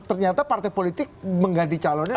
ternyata partai politik mengganti calonnya